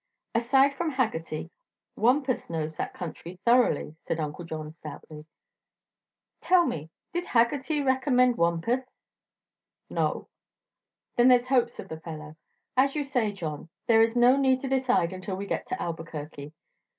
"Aside from Haggerty, Wampus knows that country thoroughly," said Uncle John stoutly. "Tell me: did Haggerty recommend Wampus?" "No." "Then there's hopes of the fellow. As you say, John, there is no need to decide until we get to Albuquerque.